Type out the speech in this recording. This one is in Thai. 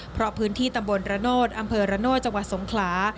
เพราะพื้นที่ตำบลระโนธอำเภอระโนธจังหวัดสงขลา